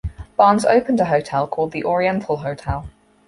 Barnes opened a hotel called the Oriental Hotel.